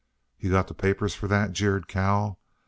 "You got the papers for that?" jeered Cal.